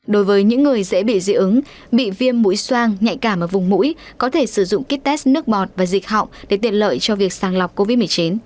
đối với những người dễ bị dị ứng bị viêm mũi soang nhạy cảm ở vùng mũi có thể sử dụng kites nước bọt và dịch họng để tiện lợi cho việc sàng lọc covid một mươi chín